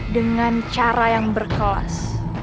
dengan cara yang berkelas